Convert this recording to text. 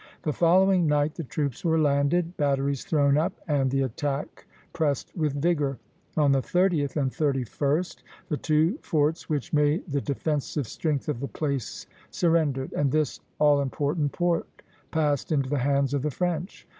The following night the troops were landed, batteries thrown up, and the attack pressed with vigor. On the 30th and 31st the two forts which made the defensive strength of the place surrendered, and this all important port passed into the hands of the French.